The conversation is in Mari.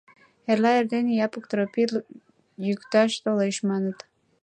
Эрла эрдене Япык Тропий йӱкташ толеш, маныт.